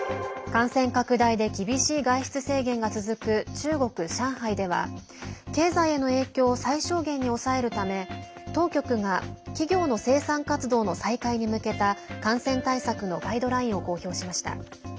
感染拡大で厳しい外出制限が続く中国・上海では経済への影響を最小限に抑えるため当局が、企業の生産活動の再開に向けた感染対策のガイドラインを公表しました。